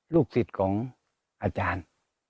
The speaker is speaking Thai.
ลูกศิษย์ของอาจารย์